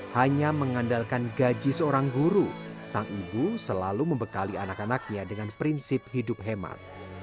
hanya mengandalkan gaji seorang guru sang ibu selalu membekali anak anaknya dengan prinsip hidup hemat